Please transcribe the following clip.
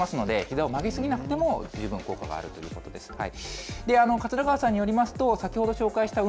効果はありますので、ひざを曲げ過ぎなくても十分効果があるということです。